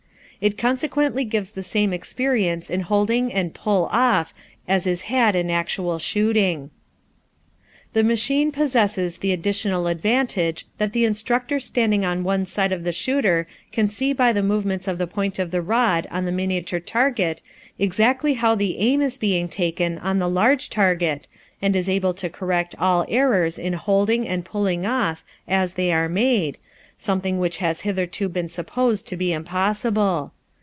It consequently gives the same experience in holding and "pull off" as is had in actual shooting. The machine possesses the additional advantage that the instructor standing on one side of the shooter can see by the movements of the point of the rod on the miniature target exactly how the aim is being taken on the large target and is able to correct all errors in holding and pulling off as they are made, something which has hitherto been supposed to be impossible.